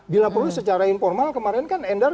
dilapori secara informal kemarin kan endar